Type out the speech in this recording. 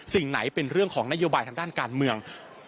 สิ่งไหนเป็นเรื่องของนโยบายทางด้านการเมือง